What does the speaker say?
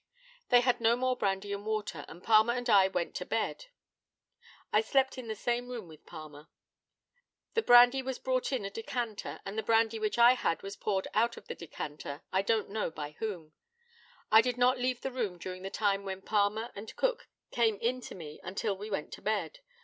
They had no more brandy and water, and Palmer and I went to bed. I slept in the same room with Palmer. The brandy was brought in a decanter, and the brandy which I had was poured out of the decanter, I don't know by whom. I did not leave the room during the time when Palmer and Cook came in to me until we went to bed.